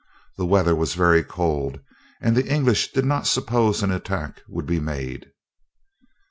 The weather was very cold, and the English did not suppose an attack would be made.